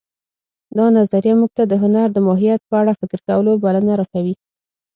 دا نظریه موږ ته د هنر د ماهیت په اړه فکر کولو بلنه راکوي